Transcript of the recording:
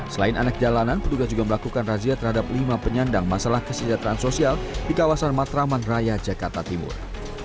selain anak jalanan petugas juga melakukan razia terhadap lima penyandang masalah kesejahteraan sosial di kawasan matraman raya jakarta timur